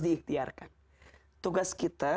diikhtiarkan tugas kita